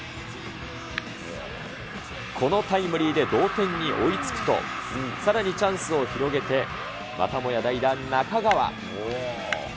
このタイムリーで同点に追いつくと、さらにチャンスを広げて、またもや代打、中川。